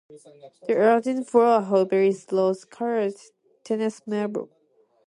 The atrium's floor, however, is rose-colored Tennessee marble.